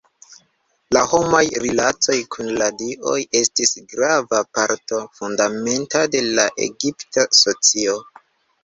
La homaj rilatoj kun la dioj estis grava parto fundamenta de la egipta socio.